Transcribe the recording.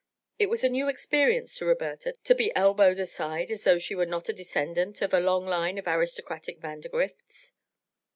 It was a new experience to Roberta to be elbowed aside as though she were not a descendant of a long line of aristocratic Vandergrifts.